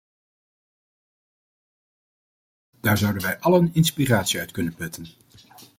Daar zouden wij allen inspiratie uit kunnen putten.